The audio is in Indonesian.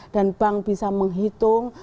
dan bank bisa menghitung